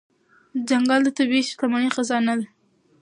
ځنګل د طبیعي شتمنۍ خزانه ده.